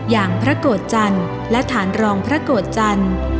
อย่างพระโกรธจันทร์และฐานรองพระโกรธจันทร์